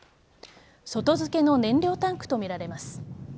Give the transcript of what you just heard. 外付けの燃料タンクとみられます。